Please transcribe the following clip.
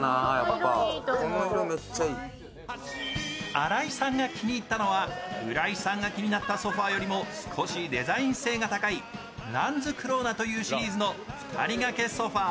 新井さんが気に入ったのは、浦井さんが気になったソファーよりも少しデザイン性が高いランズクローナというシリーズの２人がけソファー。